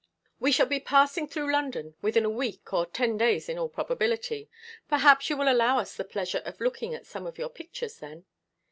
"We shall be passing through London within a week or ten days in all probability. Perhaps you will allow us the pleasure of looking at some of your pictures then?"